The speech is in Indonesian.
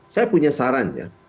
saya punya saran ya